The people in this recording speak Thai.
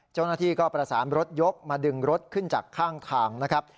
เจ้าหน้าที่ก็ประสานรถยกมาดึงรถขึ้นจากข้างทางนะครับ